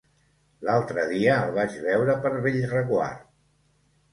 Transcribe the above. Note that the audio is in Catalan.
L'altre dia el vaig veure per Bellreguard.